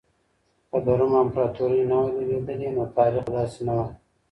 که د روم امپراطورۍ نه وای لوېدلې نو تاريخ به داسې نه وای.